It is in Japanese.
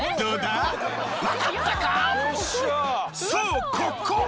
そうここ！